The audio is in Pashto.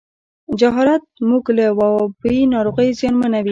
جهالت موږ له وبایي ناروغیو زیانمنوي.